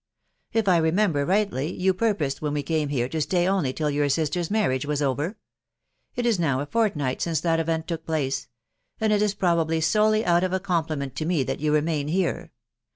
If I remember rightly, you purposed when we came here to stay only uH your sister's marriage was over. It is now a fortnight since that event took place, and it is probably solely out of compli ment to me that you remain here.